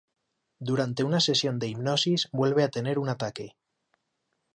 Durante una sesión de hipnosis vuelve a tener un ataque.